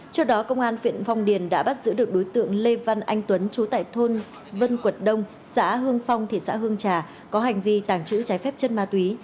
trước đó công an huyện phong điền đã bắt giữ được đối tượng lê văn anh tuấn chú tại thôn vân quật đông xã hương phong thị xã hương trà có hành vi tàng trữ trái phép chất ma túy